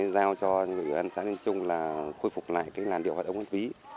giao cho ủy ban dân xã niên trung là khôi phục lại cái làn điệu hát ống hát ví